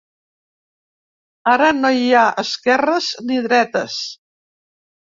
Ara no hi ha esquerres ni dretes.